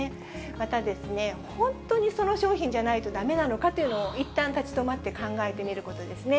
またですね、本当にその商品じゃないとだめなのかというのを、いったん立ち止まって考えてみることですね。